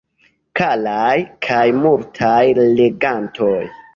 Karaj kaj multaj legantoj.